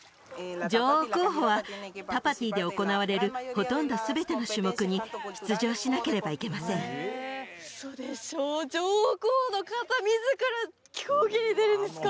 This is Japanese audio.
女王候補はタパティで行われるほとんど全ての種目に出場しなければいけません嘘でしょ女王候補の方自ら競技に出るんですか？